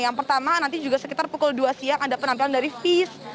yang pertama nanti juga sekitar pukul dua siang ada penampilan dari fish